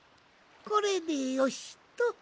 これでよしっと。